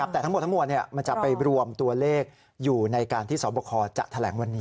แต่ทั้งหมดทั้งมวลมันจะไปรวมตัวเลขอยู่ในการที่สอบคอจะแถลงวันนี้